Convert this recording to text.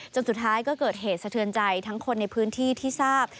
สุดท้ายก็เกิดเหตุสะเทือนใจทั้งคนในพื้นที่ที่ทราบ